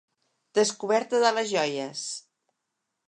Descoberta de les joies!